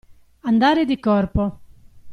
Andare di corpo.